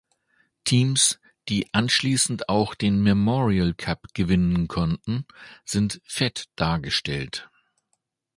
Teams, die anschließend auch den Memorial Cup gewinnen konnten, sind fett dargestellt.